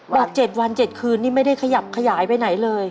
๗วัน๗คืนนี่ไม่ได้ขยับขยายไปไหนเลย